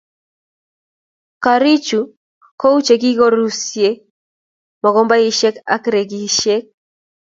Garichu kou chekikorisie, mogombesiek ak rekisiek